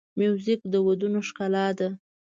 موزیک د ودونو ښکلا ده.